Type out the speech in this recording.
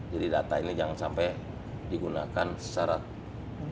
jadi data ini jangan sampai digunakan secara tidak